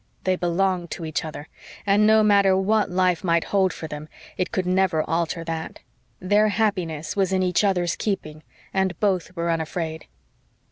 They belonged to each other; and, no matter what life might hold for them, it could never alter that. Their happiness was in each other's keeping and both were unafraid.